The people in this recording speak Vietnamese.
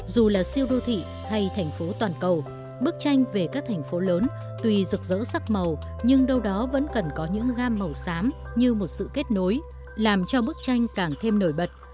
dù là siêu đô thị hay thành phố toàn cầu bức tranh về các thành phố lớn tuy rực rỡ sắc màu nhưng đâu đó vẫn cần có những gam màu xám như một sự kết nối làm cho bức tranh càng thêm nổi bật